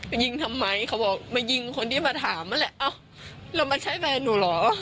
ยิงทำไมเขาบอกมายิงคนที่มาถามนั่นแหละเอ้าแล้วมาใช่แฟนหนูเหรอ